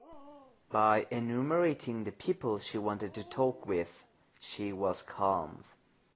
By enumerating the people she wanted to talk with, she was calmed.